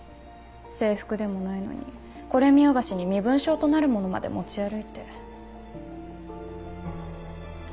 制服でもないのにこれ見よがしに身分証となるものまで持ち歩いて。